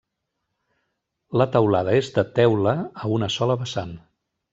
La teulada és de teula, a una sola vessant.